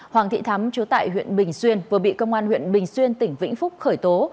hoàng thị thắm chứa tại huyện bình xuyên vừa bị công an huyện bình xuyên tỉnh vĩnh phúc khởi tố